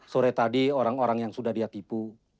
sore tadi orang orang yang sudah dia tipu